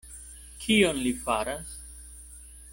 Kion li faras?